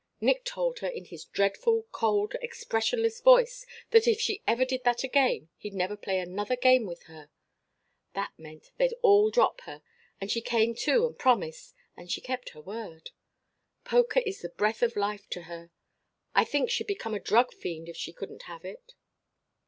"Nick told her in his dreadful cold expressionless voice that if she ever did that again he'd never play another game with her. That meant that they'd all drop her, and she came to and promised, and she kept her word. Poker is the breath of life to her. I think she'd become a drug fiend if she couldn't have it.